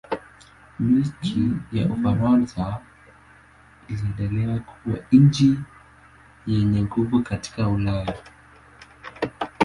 Milki ya Ufaransa iliendelea kuwa nchi yenye nguvu katika Ulaya.